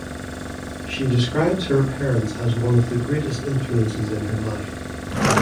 She describes her parents as one of the greatest influences in her life.